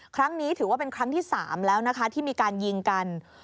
ครั้งนี้ถือว่าเป็นครั้งที่๓แล้วนะคะที่มีการยิงกัน